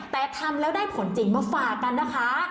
แต่ทำแล้วได้ผลจริงมาฝากกันนะคะ